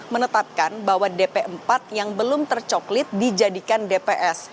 menetapkan bahwa dp empat yang belum tercoklit dijadikan dps